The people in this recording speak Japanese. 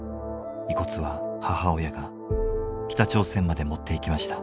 遺骨は母親が北朝鮮まで持って行きました。